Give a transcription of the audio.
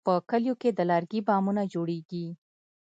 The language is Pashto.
په کلیو کې د لرګي بامونه جوړېږي.